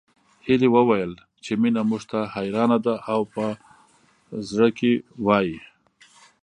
هيلې وويل چې مينه موږ ته حيرانه ده او په زړه کې وايي